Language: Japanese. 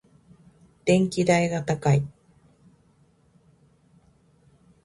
電気代が高い。